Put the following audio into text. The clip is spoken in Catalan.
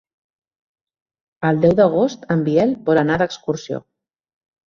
El deu d'agost en Biel vol anar d'excursió.